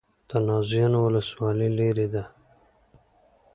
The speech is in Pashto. د نازیانو ولسوالۍ لیرې ده